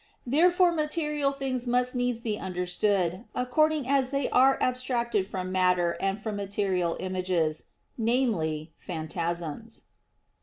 Therefore material things must needs be understood according as they are abstracted from matter and from material images, namely, phantasms.